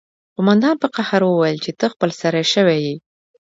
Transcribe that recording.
قومندان په قهر وویل چې ته خپل سری شوی یې